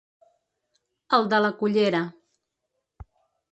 El de la cullera.